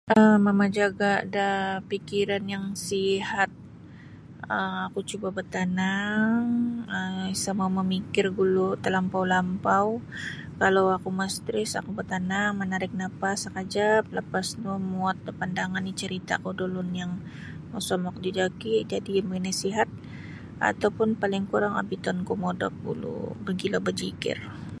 um mamajaga' da fikiran yang sihat um oku cuba' batanang um isa' mau mamikir gulu' talampau-lampau kalau oku mastres oku batanang manarik nafas sakajap lapas no muwot da pandangan icarita'ku da ulun yang mosomok dijoki jadi' manasihat atau pun paling kurang obitonku modop gulu' mogilo bajikir.